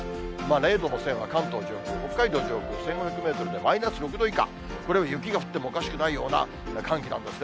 ０度の線は関東上空、北海道上空１５００メートルでマイナス６度以下、これは雪が降ってもおかしくないような寒気なんですね。